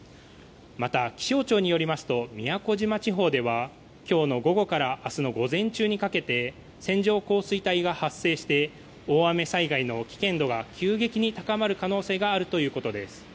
また、気象庁によりますと宮古島地方では今日の午後から明日の午前中にかけて線状降水帯が発生して大雨災害の危険度が急激に高まる可能性があるということです。